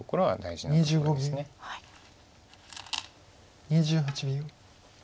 はい。